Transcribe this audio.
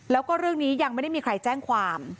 แล้วก็เรื่องนี้ยังไม่ได้มีใครแจ้งความ